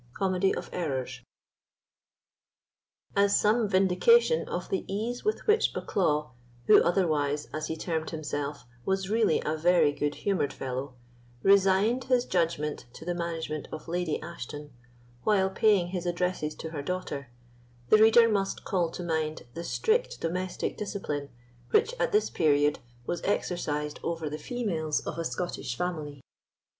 Comedy of Errors. As some vindication of the ease with which Bucklaw (who otherwise, as he termed himself, was really a very good humoured fellow) resigned his judgment to the management of Lady Ashton, while paying his addresses to her daughter, the reader must call to mind the strict domestic discipline which, at this period, was exercised over the females of a Scottish family.